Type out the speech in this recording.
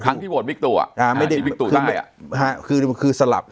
ทั้งที่โวตวิกตุอ่ะที่วิกตุใต้